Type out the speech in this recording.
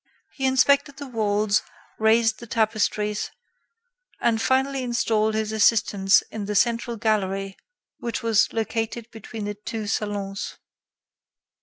He inspected the walls, raised the tapestries, and finally installed his assistants in the central gallery which was located between the two salons.